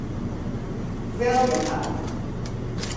Belje har.